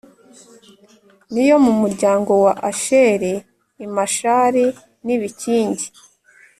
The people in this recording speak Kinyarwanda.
n iyo mu muryango wa Asheri i Mashali n ibikingi